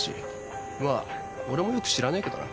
まあ俺もよく知らねえけどな。